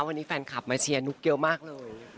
วันนี้แฟนคลับมาเชียร์นุ๊กเยอะมากเลย